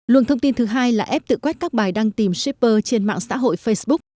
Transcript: luồng thông tin thứ hai là app tự quét các bài đăng tìm shipper trên mạng xã hội facebook